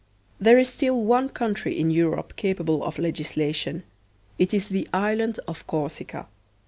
There is still one country in Europe capable of legis lation; it is the island of Corsica.